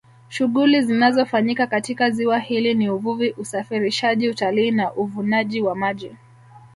Shughuli zinazofanyika katika ziwa hili ni uvuvi usafirishaji utalii na uvunaji wa maji